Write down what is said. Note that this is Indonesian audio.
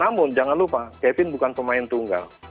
namun jangan lupa kevin bukan pemain tunggal